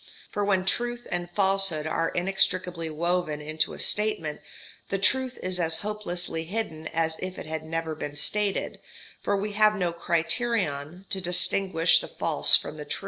For when truth and falsehood are inextricably woven into a statement, the truth is as hopelessly hidden as if it had never been stated, for we have no criterion to distinguish the false from the true.